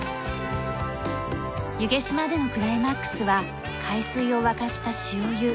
弓削島でのクライマックスは海水を沸かした潮湯。